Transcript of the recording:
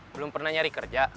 belum pernah nyari kerja